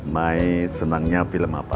mai senangnya film apa